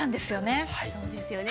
そうですよね。